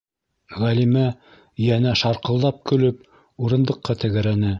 - Ғәлимә йәнә шарҡылдап көлөп урындыҡҡа тәгәрәне.